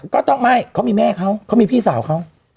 ก็ต้องไม่เขามีแม่เขาเขามีพี่สาวเขา